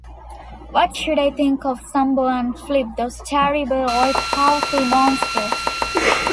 What should I think of Sambo and Flip, those terrible, all-powerful monsters?